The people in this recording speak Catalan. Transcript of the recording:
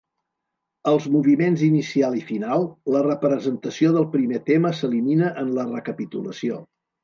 Els moviments inicial i final, la presentació del primer tema s'elimina en la recapitulació.